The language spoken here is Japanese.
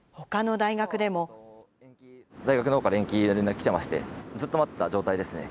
大学のほうから延期の連絡が来てまして、ずっと待ってた状態ですね。